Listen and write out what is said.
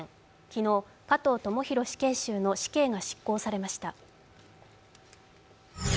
昨日、加藤智大死刑囚の死刑が執行されました。